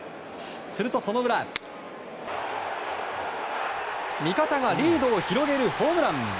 すると、その裏味方がリードを広げるホームラン。